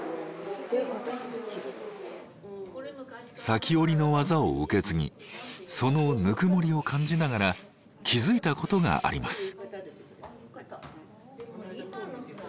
裂織の技を受け継ぎそのぬくもりを感じながら気づいたことがあります。